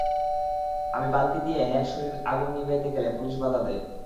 আমি বালতি দিয়া হ্যার শরীরের আগুন নিভাইতে গেলে পুলিশ বাধা দেয়।